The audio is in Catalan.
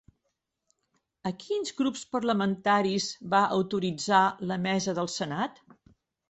A quins grups parlamentaris va autoritzar la mesa del senat?